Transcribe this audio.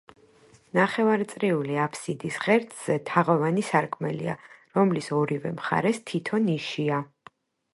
ნახევარწრიული აფსიდის ღერძზე თაღოვანი სარკმელია, რომლის ორივე მხარეს თითო ნიშია.